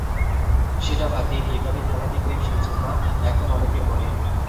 সেটা বাদ দিয়ে কীভাবে খেলা দেখবেন, সেই চিন্তা এখন অনেকের মনে।